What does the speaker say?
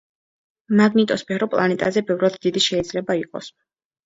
მაგნიტოსფერო პლანეტაზე ბევრად დიდი შეიძლება იყოს.